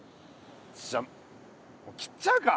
じゃあもう切っちゃうか！